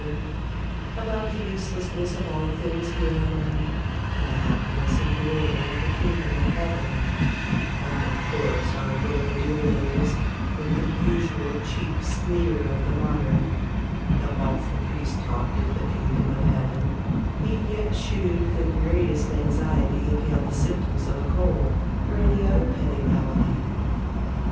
work, about the uselessness of all things here on earth, and the happiness and glory of the Kingdom of Heaven : and, of course, our boulevardiev noticed, with the usual cheap sneer of the modern, that whilst the priest talked of the Kingdom of Heaven, he yet shewed the greatest anxiety if he had symptoms of a cold, or any other petty malady.